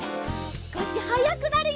すこしはやくなるよ。